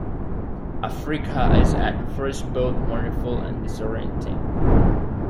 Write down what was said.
Africa is at first both wonderful and disorienting.